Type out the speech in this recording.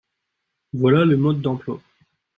Voilà le mode d’emploi